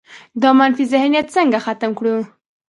دا منفي ذهنیت څنګه ختم کړو؟